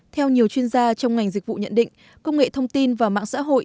theo nhiều chuyên gia trong ngành dịch vụ nhận định công nghệ thông tin và mạng xã hội